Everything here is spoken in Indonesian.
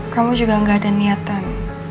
kamu juga gak ada niatan